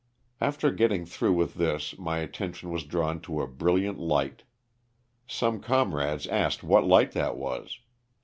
After getting through with this my attention was drawn to a brilliant light. Some comrades asked what light that was.